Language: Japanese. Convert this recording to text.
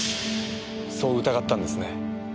そう疑ったんですね？